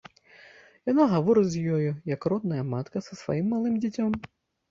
Яна гаворыць з ёю, як родная матка са сваім малым дзіцем.